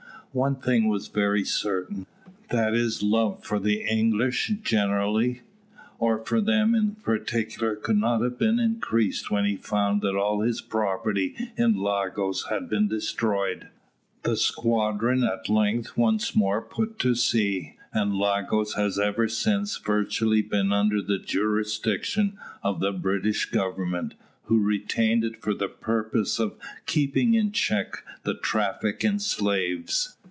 One thing was very certain, that his love for the English generally, or for them in particular, could not have been increased when he found that all his property in Lagos had been destroyed. The squadron at length once more put to sea, and Lagos has ever since virtually been under the jurisdiction of the British Government, who retain it for the purpose of keeping in check the traffic in slaves.